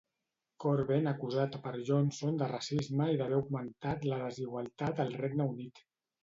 Corbyn acusat per Johnson de racisme i d'haver augmentat la desigualtat al Regne Unit.